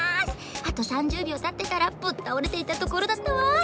あと３０びょうたってたらぶったおれていたところだったわ。